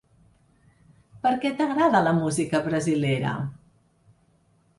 Per què t’agrada la música brasilera?